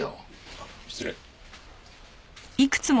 あっ失礼。